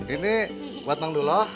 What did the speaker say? ini buat mang dula